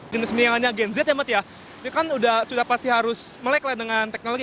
jenis milikannya gen z ya ini kan sudah pasti harus melek dengan teknologi